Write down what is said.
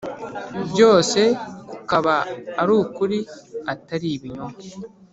Byose kukaba ari uk ukuri atari ibinyoma